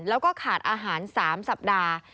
แล้วก็ขาดอาหาร๓สัปดาห์